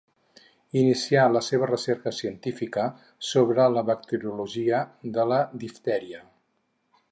Inicià la seva recerca científica sobre la bacteriologia de la diftèria.